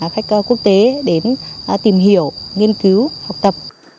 khách quốc tế đến tìm hiểu nghiên cứu học tập